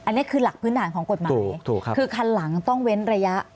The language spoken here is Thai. อันนี้คือหลักพื้นฐานของกฎหมายถูกครับคือคันหลังต้องเว้นระยะ